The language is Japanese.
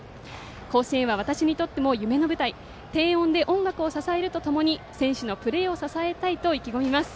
甲子園は私にとっても夢の舞台低音で音楽を支えるとともに選手のプレーを支えたいと話をしています。